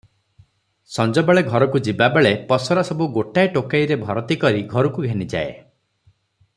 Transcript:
ସଞ୍ଜବେଳେ ଘରକୁ ଯିବାବେଳେ ପସରା ସବୁ ଗୋଟାଏ ଟୋକେଇରେ ଭରତି କରି ଘରୁକୁ ଘେନିଯାଏ ।